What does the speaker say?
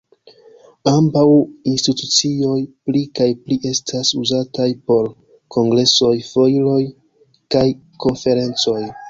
Ambaŭ institucioj pli kaj pli estas uzataj por kongresoj, foiroj kaj konferencoj.